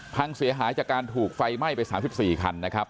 พังเสียหายจากการถูกไฟไหม้ไป๓๔คันนะครับ